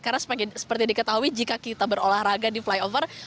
karena seperti diketahui jika kita berolahraga di flyover